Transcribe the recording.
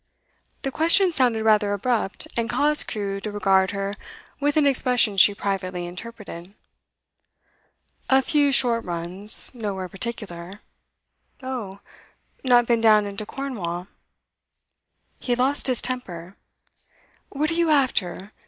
The question sounded rather abrupt, and caused Crewe to regard her with an expression she privately interpreted. 'A few short runs. Nowhere particular.' 'Oh? Not been down into Cornwall?' He lost his temper. 'What are you after?